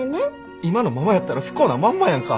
今のままやったら不幸なまんまやんか。